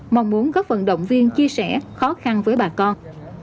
mong muốn góp phần động viên chia sẻ khó khăn với bà con